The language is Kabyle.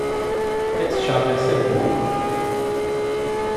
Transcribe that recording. Ad tečč, ɣef leḥsab-nwen?